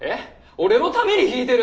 俺のために弾いてる？